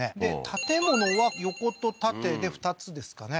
建物は横と縦で２つですかね